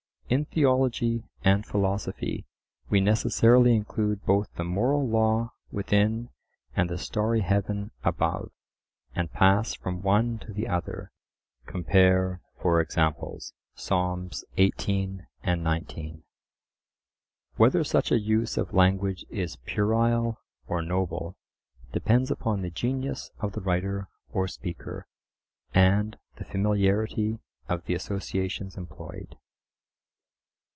In theology and philosophy we necessarily include both "the moral law within and the starry heaven above," and pass from one to the other (compare for examples Psalms xviii. and xix.). Whether such a use of language is puerile or noble depends upon the genius of the writer or speaker, and the familiarity of the associations employed.